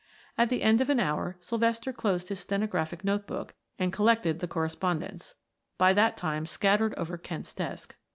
At the end of an hour Sylvester closed his stenographic note book and collected the correspondence, by that time scattered over Kent's desk.